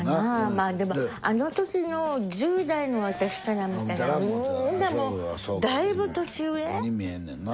まぁでもあのときの１０代の私から見たらみんなもうだいぶ年上？に見えんねんな。